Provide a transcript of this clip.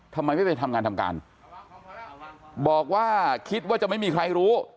ทำไมไม่ไปทำงานทำการบอกว่าคิดว่าจะไม่มีใครรู้